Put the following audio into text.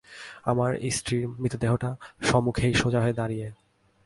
আমার স্ত্রীর মৃতদেহটা সমুখেই সোজা হয়ে দাঁড়িয়ে!